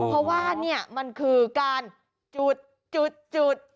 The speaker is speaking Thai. เพราะว่ามันคือการจุดจุดจุด